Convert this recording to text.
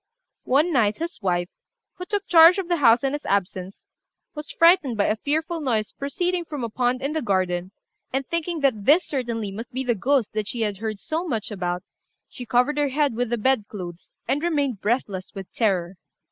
One night, his wife, who took charge of the house in his absence, was frightened by a fearful noise proceeding from a pond in the garden, and, thinking that this certainly must be the ghost that she had heard so much about, she covered her head with the bed clothes and remained breathless with terror.